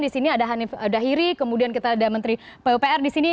di sini ada hanif dahiri kemudian kita ada menteri pupr di sini